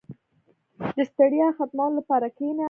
• د ستړیا ختمولو لپاره کښېنه.